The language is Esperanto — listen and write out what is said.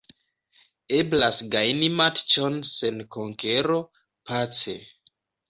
Eblas gajni matĉon sen konkero, pace.